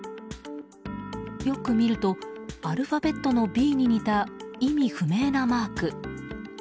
よく見るとアルファベットのＢに似た意味不明なマーク。